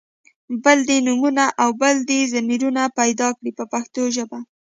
بله دې نومونه او بله دې ضمیرونه پیدا کړي په پښتو ژبه.